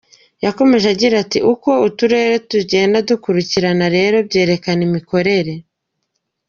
Yakomeje agira ati “Uko uturere tugenda dukurikirana rero byerekana imikorere.